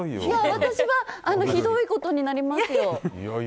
私はひどいことになりますよ。